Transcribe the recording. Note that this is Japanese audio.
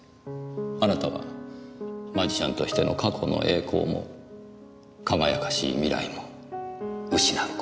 あなたはマジシャンとしての過去の栄光も輝かしい未来も失う事になります。